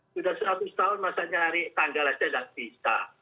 sudah seratus tahun masa nyari tanggal saja tidak bisa